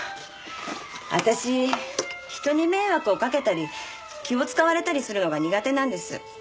私人に迷惑をかけたり気を使われたりするのが苦手なんです。